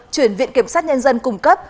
chuyển viện kiểm soát nhân dân cung cấp